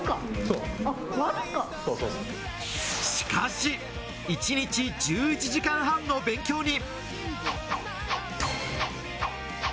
しかし、一日１１時間半の勉強に。